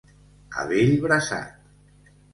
A bell braçat.